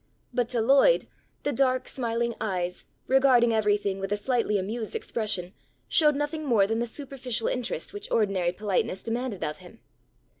But to Lloyd, the dark, smiling eyes, regarding everything with a slightly amused expression, showed nothing more than the superficial interest which ordinary politeness demanded of him.